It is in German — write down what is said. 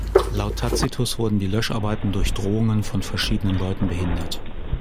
Laut Tacitus wurden die Löscharbeiten durch Drohungen von verschiedenen Leuten behindert.